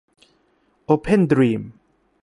โอเพ่นดรีม